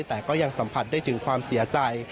แต่ก็ยังสัมผัสได้ถึงความเสียใจ